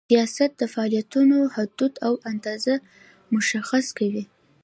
سیاست د فعالیتونو حدود او اندازه مشخص کوي.